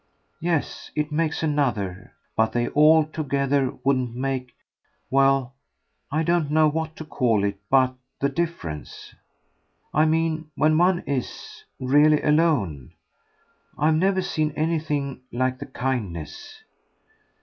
"Yes, it makes another; but they all together wouldn't make well, I don't know what to call it but the difference. I mean when one IS really alone. I've never seen anything like the kindness."